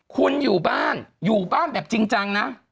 คุณอยู่บ้านแบบจริงจังนะ